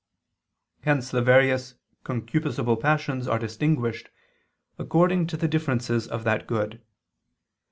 Hence the various concupiscible passions are distinguished according to the differences of that good.